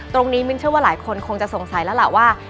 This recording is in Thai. มิ้นเชื่อว่าหลายคนคงจะสงสัยแล้วล่ะว่า